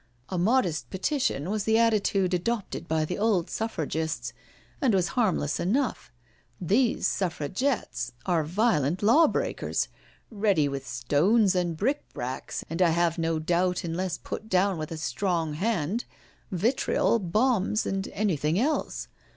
A modest petition was the attitude adopted by the old Suffragists, and was harmless enough. These Suffra gettes are violent law breakers, ready with stones and brickbats, and I have no doubt, unless put down with a strong hand, vitriol, bombs, and anything else.